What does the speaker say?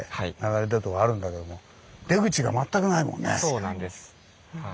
そうなんです。